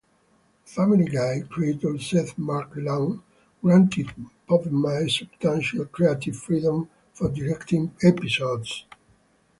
"Family Guy" creator Seth MacFarlane granted Povenmire substantial creative freedom for directing episodes.